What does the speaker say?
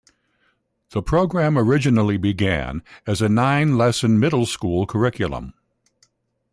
The program originally began as a nine lesson middle-school curriculum.